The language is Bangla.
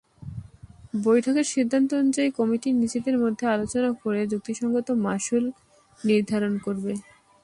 বৈঠকের সিদ্ধান্ত অনুযায়ী, কমিটি নিজেদের মধ্যে আলোচনা করে যুক্তিসংগত মাশুল নির্ধারণ করবে।